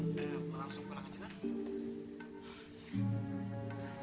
langsung pulang aja nenek